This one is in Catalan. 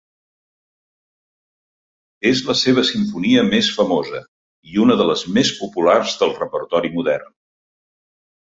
És la seva simfonia més famosa i una de les més populars del repertori modern.